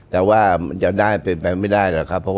แต่ว่าจะได้เป็นไม่ได้